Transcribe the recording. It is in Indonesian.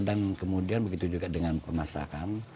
dan kemudian begitu juga dengan pemasakan